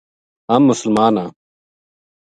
ہم مسلمان ہاں